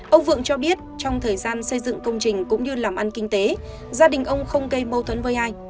ông vượng cho biết trong thời gian xây dựng công trình cũng như làm ăn kinh tế gia đình ông không gây mâu thuẫn với ai